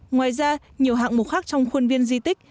ngoài ra nhiều hạng mục khác trong khuôn viên di tích